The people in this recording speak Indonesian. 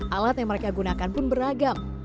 alat yang mereka gunakan pun beragam